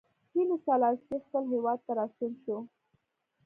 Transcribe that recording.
هیلي سلاسي خپل هېواد ته راستون شو.